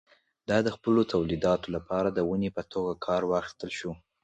دا د خپلو تولیداتو لپاره د ونې په توګه کار واخیستل شول.